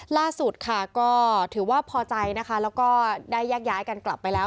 ล่าสุดค่ะก็ถือว่าพอใจนะคะแล้วก็ได้แยกย้ายกันกลับไปแล้ว